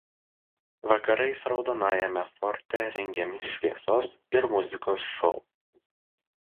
Vakarais Raudonajame forte rengiami šviesos ir muzikos šou.